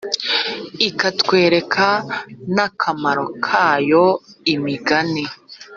ikatwereka n akamaro kayo imigani